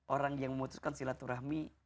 orang yang memutuskan silaturahmi